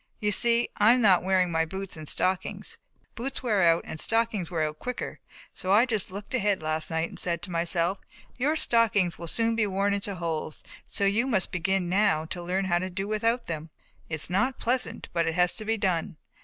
You see I am not wearing my boots and stockings, boots wear out and stockings wear out quicker, so I just looked ahead last night and said to myself 'your stockings will soon be worn into holes, so you must begin now to learn to do without them.' It's not pleasant, but it has to be done.